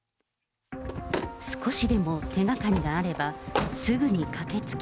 少しでも手がかりがあれば、すぐに駆けつけ。